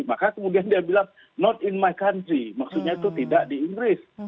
maka kemudian dia bilang not in my country maksudnya itu tidak di inggris